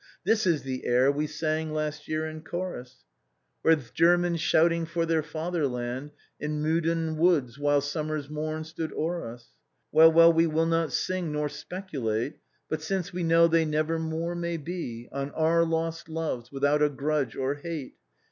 This is the air we sang last year in chorus, "With Germans shouting for their fatherland In Meudon woods, while summer's moon stood o'er US« " Well, well, we will not sing nor speculate, But — since we know they never more may be — On our lost loves, without a grudge or hate.